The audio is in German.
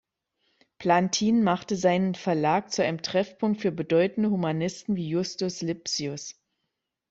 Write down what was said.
Plantin machte seinen Verlag zu einem Treffpunkt für bedeutende Humanisten wie Justus Lipsius.